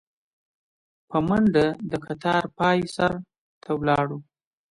په منډه د کتار پاى سر ته ولاړو.